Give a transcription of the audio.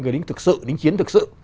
người đứng thực sự đứng chiến thực sự